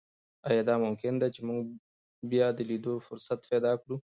ایا دا ممکنه ده چې موږ بیا د لیدو فرصت پیدا کړو؟